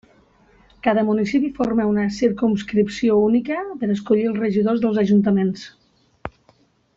Cada municipi forma una circumscripció única per escollir els regidors dels ajuntaments.